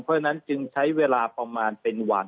เพราะฉะนั้นจึงใช้เวลาประมาณเป็นวัน